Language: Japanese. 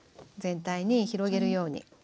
全体に広げるように。